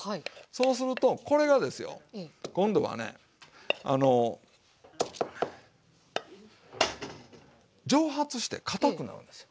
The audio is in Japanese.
そうするとこれがですよ今度はね。蒸発してかたくなるんですよ。